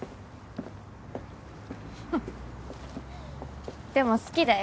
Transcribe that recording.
ふっでも好きだよ